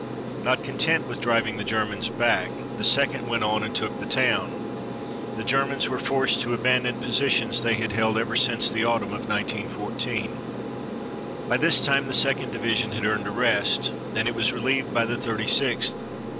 Not content with driving the Germans back, the Second went on and took the town. The Germans were forced to abandon positions they had held ever since the autumn of 1914. By this time the Second Division had earned a rest, and it was relieved by the Thirty sixth.